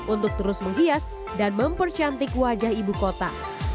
untuk terus menghias dan mempercantik wajah ibu kota